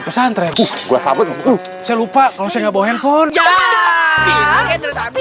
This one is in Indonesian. pesan pesan lupa kalau nggak bawa handphone